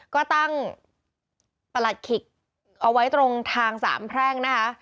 ก็ตั้งประหลัดขิกเอาไว้ตรงทางสามแพร่งนะคะ